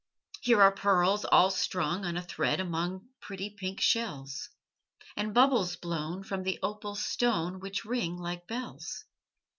Here are pearls all strung On a thread among Pretty pink shells; And bubbles blown From the opal stone Which ring like bells.